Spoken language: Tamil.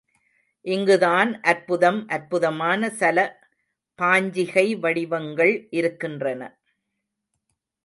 இங்குதான் அற்புதம் அற்புதமான சல பாஞ்சிகை வடிவங்கள் இருக்கின்றன.